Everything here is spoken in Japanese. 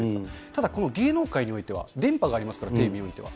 ただ、この芸能界においては電波がありますから、テレビにおいては。